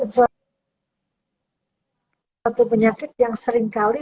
suatu penyakit yang seringkali